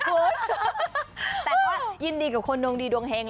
แต่ก็ยินดีกับคนดวงดีดวงเฮง